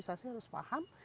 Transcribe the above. digitalisasi harus paham